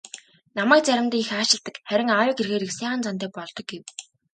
"Намайг заримдаа их аашилдаг, харин аавыг ирэхээр их сайхан зантай болдог" гэв.